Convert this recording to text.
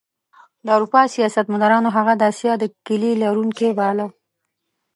د اروپا سیاستمدارانو هغه د اسیا د کیلي لرونکی باله.